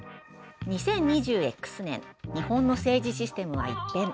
２０２×年日本の政治システムは一変。